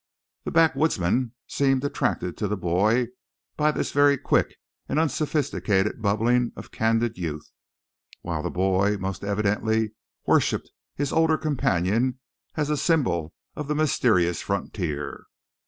The backwoodsman seemed attracted to the boy by this very quick and unsophisticated bubbling of candid youth; while the boy most evidently worshipped his older companion as a symbol of the mysterious frontier.